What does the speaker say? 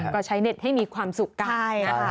ก็ใช้เน็ตให้มีความสุขกันนะคะ